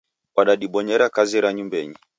Wadadibonyera kazi ra nyumbenyi